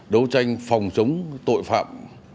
đấu tranh phòng chống tội phạm